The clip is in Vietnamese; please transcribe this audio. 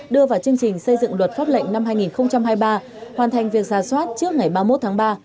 đưa vào chương trình xây dựng luật pháp lệnh năm hai nghìn hai mươi ba hoàn thành việc ra soát trước ngày ba mươi một tháng ba